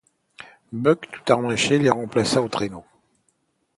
Buck tout harnaché les remplaça au traîneau.